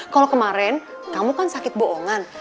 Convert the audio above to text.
kalau kemarin kamu kan sakit bohongan